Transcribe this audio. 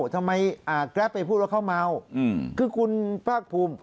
ทำไมแกรปไปพูดว่าเขาเมาคือคุณภาคภูมิ